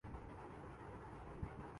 اس کشمکش میں ایک فریق نوازشریف صاحب ہیں